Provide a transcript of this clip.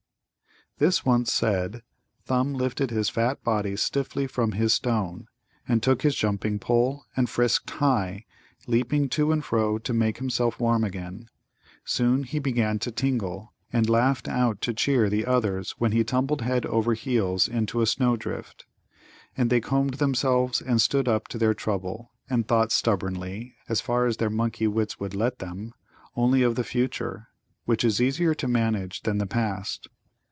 This once said, Thumb lifted his fat body stiffly from his stone, and took his jumping pole, and frisked high, leaping to and fro to make himself warm again. Soon he began to tingle, and laughed out to cheer the others when he tumbled head over heels into a snowdrift. And they combed themselves, and stood up to their trouble, and thought stubbornly, as far as their monkey wits would let them, only of the future (which is easier to manage than the past).